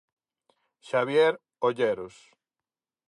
Xabier Olleros.